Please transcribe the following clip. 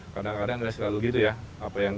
kadang kadang dia selalu gitu ya apa yang